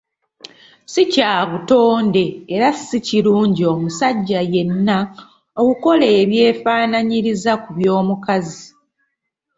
Si kya butonde era si kirungi omusajja yenna okukola ebyefaananyiriza ku by'omukazi.